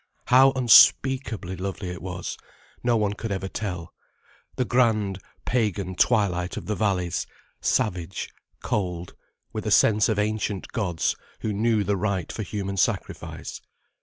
How unspeakably lovely it was, no one could ever tell, the grand, pagan twilight of the valleys, savage, cold, with a sense of ancient gods who knew the right for human sacrifice.